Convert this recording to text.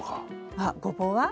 あっゴボウは？